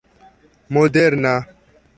moderna